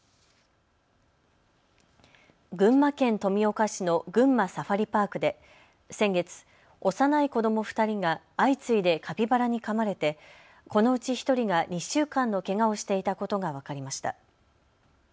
群馬県富岡市の群馬サファリパークで、先月、幼い子ども２人が相次いでカピバラにかまれてこのうち１人が２週間のけがをしていたことが分かりました。